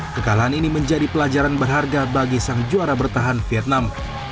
kekalahan ini menjadi pelajaran berharga bagi sang juara bertahan vietnam